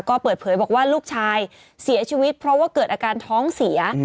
ก็เปิดเผยบอกว่าลูกชายเสียชีวิตเพราะว่าเกิดอาการท้องเสีย